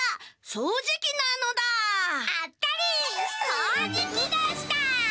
そうじきでした！